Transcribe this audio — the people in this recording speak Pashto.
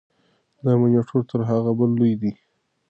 دا مانیټور تر هغه بل لوی دی.